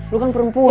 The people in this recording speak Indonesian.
lu kan perempuan